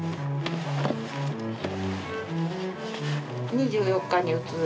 ２４日に打つ。